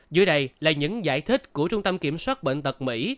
dưới đây là những giải thích của trung tâm kiểm soát bệnh tật mỹ